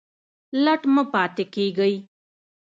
لټ مه پاته کیږئ